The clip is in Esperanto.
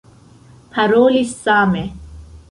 Paroli same.